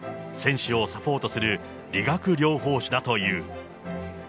選手をサポートする理学療法士だという。